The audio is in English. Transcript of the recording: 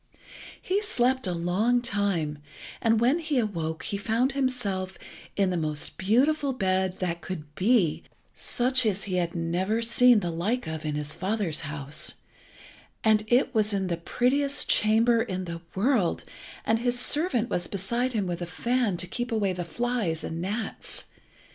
He slept a long time, and when he awoke he found himself in the most beautiful bed that could be, such as he had never seen the like of in his father's house, and it was in the prettiest chamber in the world, and his servant was beside him with a fan to keep away the flies and gnats.